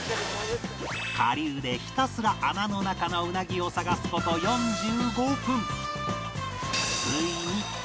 下流でひたすら穴の中のウナギを探す事４５分